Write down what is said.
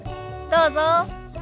どうぞ。